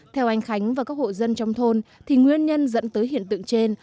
theo anh khánh và các hộ dân trong thôn thì nguyên nhân dẫn tới hiện tượng trên